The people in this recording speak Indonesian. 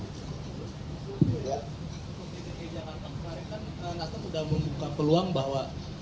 dekat jakarta kemarin kan ngasna sudah membuka peluang bahwa